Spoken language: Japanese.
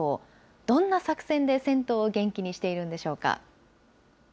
どんな作戦で銭湯を元気にしているんでしょうか。